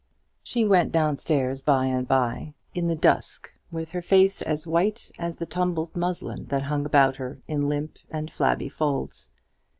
She went down stairs by and by, in the dusk, with her face as white as the tumbled muslin that hung about her in limp and flabby folds.